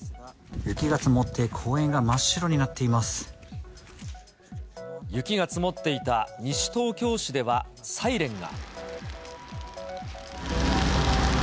雪が積もって公園が真っ白に雪が積もっていた西東京市ではサイレンが。